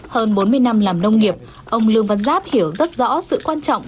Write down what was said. hơn bốn mươi năm làm nông nghiệp ông lương văn giáp hiểu rất rõ sự quan trọng